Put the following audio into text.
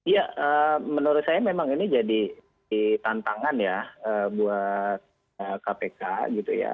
ya menurut saya memang ini jadi tantangan ya buat kpk gitu ya